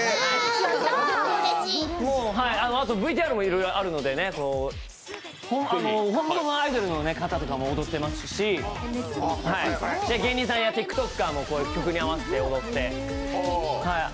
あとＶＴＲもあるので、本物のアイドルの方とかも踊ってますし、芸人さんやＴｉｋＴｏｋｅｒも曲に合わせて踊ってますので。